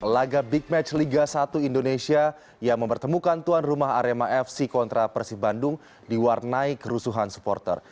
laga big match liga satu indonesia yang mempertemukan tuan rumah arema fc kontra persibandung diwarnai kerusuhan supporter